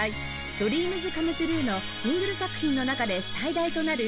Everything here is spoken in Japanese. ＤＲＥＡＭＳＣＯＭＥＴＲＵＥ のシングル作品の中で最大となる２５０万枚の売り上げを記録